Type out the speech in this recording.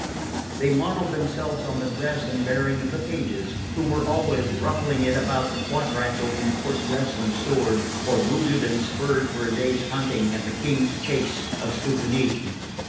They modelled themselves on the dress and bearing of the pages, who were always ruffling it about the quadrangle in court dress and sword, or booted and spurred for a day's hunting at the King's chase of Stupinigi.